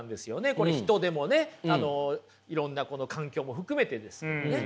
これ人でもねあのいろんな環境も含めてですもんね。